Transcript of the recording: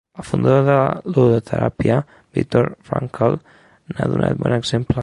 El fundador de la logoteràpia, Viktor Frankl, n'ha donat bon exemple.